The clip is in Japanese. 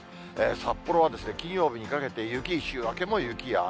札幌は金曜日にかけて雪、週明けも雪や雨。